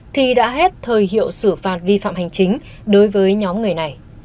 thì đã hết thời hiệu xử phạt vi phạm hành chính đối với nhóm người này